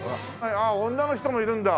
あっ女の人もいるんだ。